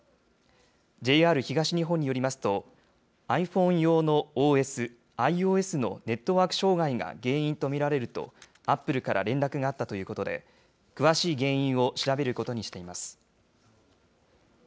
ＪＲ東日本によりますと、ｉＰｈｏｎｅ用のＯＳ、ｉＯＳのネットワーク障害が原因と見られると、アップルから連絡があったということで、詳しい原因を調べることにしています。